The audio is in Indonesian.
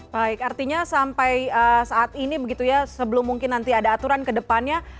baik artinya sampai saat ini begitu ya sebelum mungkin nanti ada aturan ke depannya